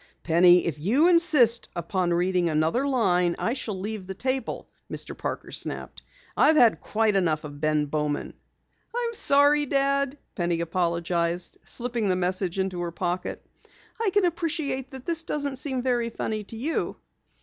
"Penny, if you insist upon reading another line, I shall leave the table," Mr. Parker snapped. "I've had quite enough of Ben Bowman." "I'm sorry, Dad," Penny apologized, slipping the message into her pocket. "I can appreciate that this doesn't seem very funny to you."